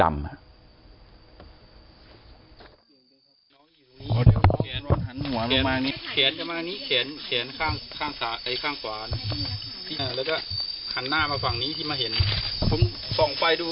เขียนเขียนข้างขวาแล้วก็ขันหน้ามาฝั่งนี้ที่มาเห็นถูก